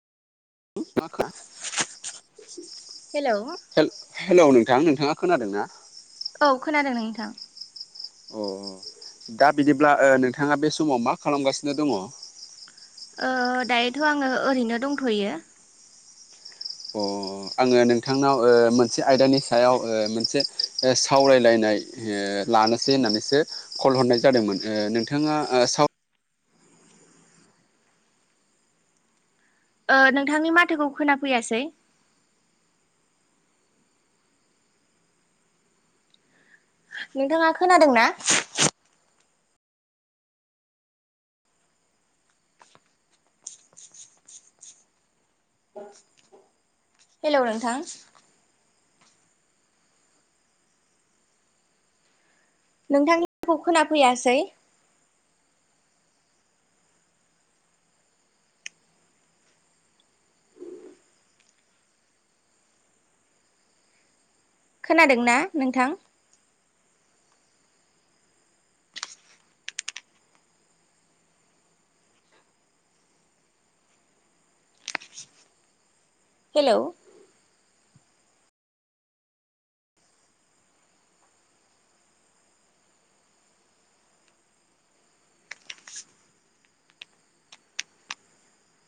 [inaudible] Hello hello नोंथां नोंथाङा खोनादों ना? औ खोनादों नोंथां। अ दा बिदिब्ला नोंथाङा बे समाव मा खालामगासिनो दङ? ओ दायोथ' आङो ओरैनो दंथ'यो। अ आङो नोंथांनाव ओ मोनसे आयदानि सायाव ओ मोनसे सावरायलायनाय ओ लानोसै होननानैसो कल हरनाय जादोंमोन नोंथाङा साव ओ नोंथांनि माथोखौ खोनाफैयासै नोंथाङा खोनादों ना? हेलौ नोंथां नोंथांनिखौ खोनाफैयासै खोनादोंना नोंथां। हेलौ